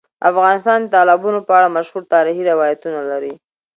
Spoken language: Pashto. افغانستان د تالابونه په اړه مشهور تاریخی روایتونه لري.